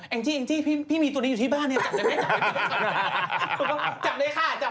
แอ้งจี้พี่มีตัวนี้อยู่ที่บ้านเนี่ยจับไหมจับไหมจับไหม